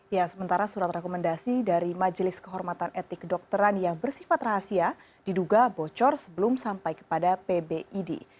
ya sementara surat rekomendasi dari majelis kehormatan etik kedokteran yang bersifat rahasia diduga bocor sebelum sampai kepada pbid